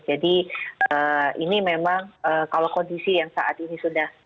jadi ini memang kalau kondisi yang saat ini sudah